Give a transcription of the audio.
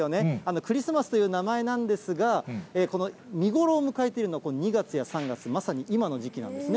クリスマスという名前なんですが、この見頃を迎えているのは、この２月や３月、まさに今の時期なんですね。